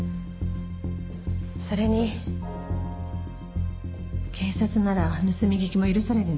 それに警察なら盗み聞きも許されるんですか？